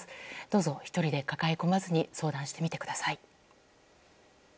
どうぞ、１人で抱え込まずに相談してみてください。